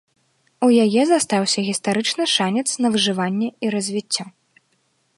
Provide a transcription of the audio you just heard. У яе застаўся гістарычны шанец на выжыванне і развіццё.